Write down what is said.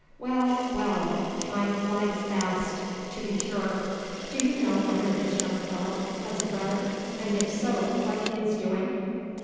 Well, well, time flies fast, to be sure. Do you know whether this young fellow has a brother, and, if so, what he is doing?"